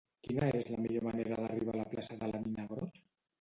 Quina és la millor manera d'arribar a la plaça de la Mina Grott?